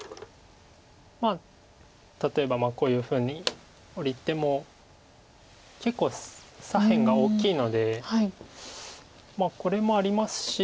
まあ例えばこういうふうにオリても結構左辺が大きいのでこれもありますし。